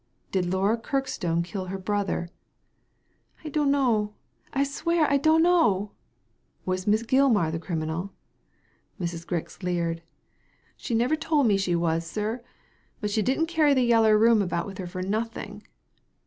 "Did Laura Kirkstone kill her brother?" " I dunno ; I swear I dunno." "Was Miss Gilmar the criminal?" Mrs. Grix leered "She never told me she was, sir, but she didn't carry the Yeller Room about with her for nothing."